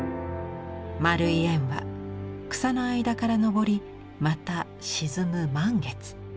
丸い円は草の間から昇りまた沈む満月。